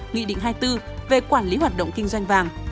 nghị định hai mươi bốn về quản lý hoạt động kinh doanh vàng